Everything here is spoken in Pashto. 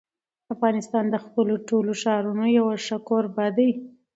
افغانستان د خپلو ټولو ښارونو یو ښه کوربه دی.